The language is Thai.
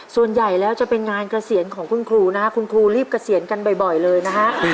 ส่วนใหญ่แล้วจะเป็นงานเกษียณของคุณครูนะฮะคุณครูรีบเกษียณกันบ่อยเลยนะฮะ